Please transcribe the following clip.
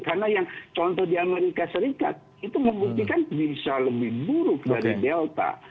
karena yang contoh di amerika serikat itu membuktikan bisa lebih buruk dari delta